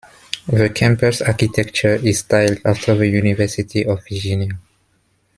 The campus architecture is styled after the University of Virginia.